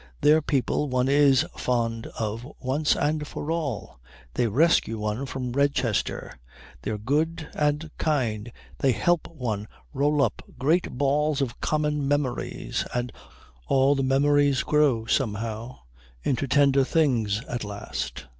They're people one is fond of once and for all. They rescue one from Redchester. They're good and kind. They help one roll up great balls of common memories, and all the memories grow somehow into tender things at last.